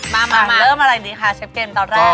มาเริ่มอะไรดีคะเชฟเกมตอนแรก